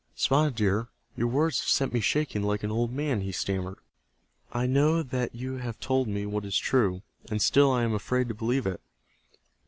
"Spotted Deer, your words have set me shaking like an old man," he stammered, "I know that you have told me what is true, and still I am afraid to believe it."